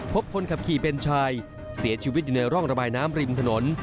พบคนขับขี่เป็นชายเสียชีวิตอยู่ในร่องระบายน้ำริมถนน